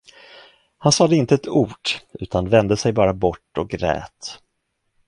Han sade inte ett ord, utan vände sig bara bort och grät.